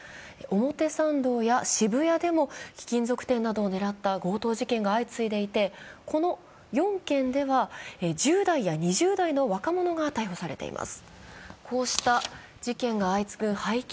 表参道や渋谷でも貴金属店などを狙った強盗事件が相次いでいてこの４件では１０代や２０代の若者が逮捕されています。